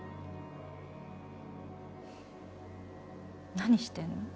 何してるの？